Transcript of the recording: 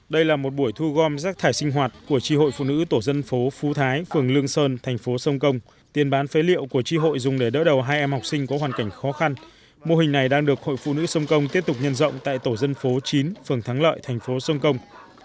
đây là một buổi thu gom rác thải sinh hoạt của tri hội phụ nữ tổ dân phố phú thái phường lương sơn thành phố sông công tiền bán phế liệu của tri hội dùng để đỡ đầu hai em học sinh có hoàn cảnh khó khăn mô hình này đang được hội phụ nữ sông công tiếp tục nhân rộng tại tổ dân phố chín phường thắng lợi thành phố sông công